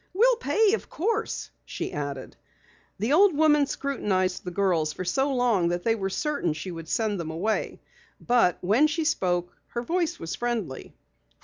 "We'll pay, of course," she added. The old woman scrutinized the girls for so long that they were certain she would send them away. But when she spoke, her voice was friendly.